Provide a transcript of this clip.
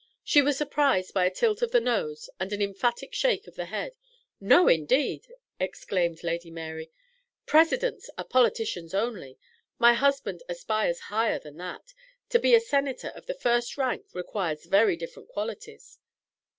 She was surprised by a tilt of the nose and an emphatic shake of the head. "No, indeed!" exclaimed Lady Mary, "Presidents are politicians only. My husband aspires higher than that. To be a Senator of the first rank requires very different qualities."